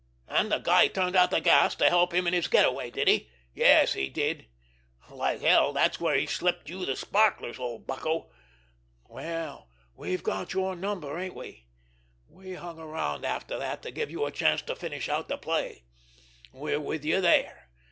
And the guy turned out the gas to help him in his get away, did he? Yes, he did—like hell! That's where he slipped you the sparklers, old bucko! Well, we've got your number, ain't we? We hung around after that to give you a chance to finish out the play. We're with you there!